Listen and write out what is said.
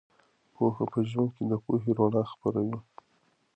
پوهه په ژوند کې د پوهې رڼا خپروي.